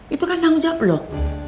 itu kan tanggung jawab loh